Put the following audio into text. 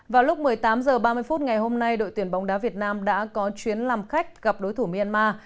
vào lúc một mươi tám h ba mươi phút ngày hôm nay đội tuyển bóng đá việt nam đã có chuyến làm khách gặp đối thủ myanmar